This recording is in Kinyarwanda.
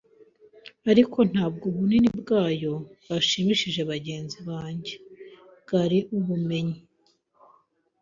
Ariko ntabwo ubunini bwayo bwashimishije bagenzi banjye; bwari ubumenyi